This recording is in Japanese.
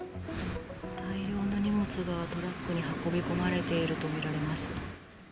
大量の荷物がトラックに運び込まれていると見られます。